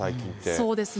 そうですね。